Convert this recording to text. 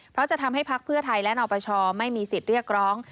เพราะจะทำให้พักเพื่อไทยและนปชไม่มีสิทธิ์เรียกร้อง